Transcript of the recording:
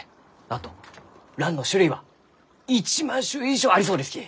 あとランの種類は１万種以上ありそうですき！